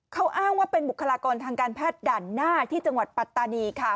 เขาอ้างว่าเป็นบุคลากรทางการแพทย์ด่านหน้าที่จังหวัดปัตตานีค่ะ